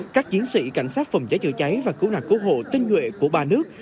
các chiến sĩ cảnh sát phòng cháy chữa cháy và cứu nạn cứu hộ tinh nguyện của ba nước